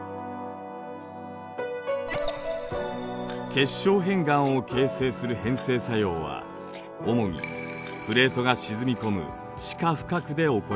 結晶片岩を形成する変成作用は主にプレートが沈み込む地下深くで起こります。